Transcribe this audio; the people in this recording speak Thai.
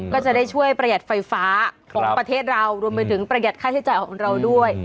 ก็จะได้ช่วยประหยัดไฟฟ้าของประเทศเรารวมไปถึงประหยัดค่าใช้จ่ายของเราด้วย